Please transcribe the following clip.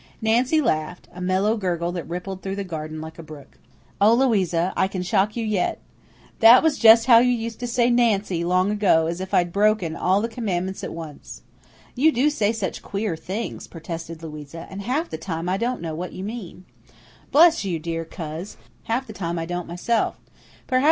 Nancy laughed, a mellow gurgle that rippled through the garden like a brook. "Oh, Louisa, I can shock you yet. That was just how you used to say 'Nancy' long ago, as if I'd broken all the commandments at once." "You do say such queer things," protested Louisa, "and half the time I don't know what you mean." "Bless you, dear coz, half the time I don't myself.